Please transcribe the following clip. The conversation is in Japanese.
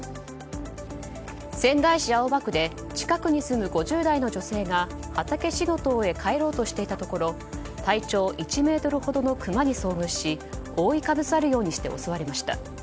仙台市青葉区で近くに住む５０代の女性が畑仕事を終え帰ろうとしていたところ体長１ｍほどのクマに遭遇し覆いかぶさるようにして襲われました。